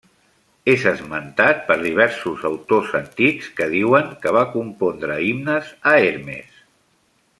És esmentat per diversos autors antics, que diuen que va compondre himnes a Hermes.